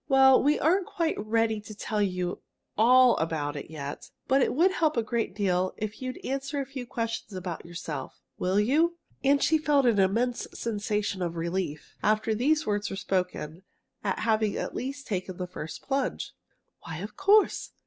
Well, we aren't quite ready to tell you all about it yet, but it would help a great deal if you'd answer a few questions about yourself. Will you?" And she felt an immense sensation of relief, after these words were spoken, at having at least taken the first plunge. "Why, of course!"